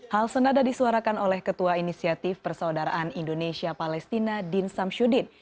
hal senada disuarakan oleh ketua inisiatif persaudaraan indonesia palestina din samsyudin